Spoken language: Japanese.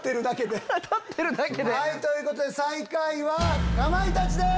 立ってるだけで。ということで最下位はかまいたちです。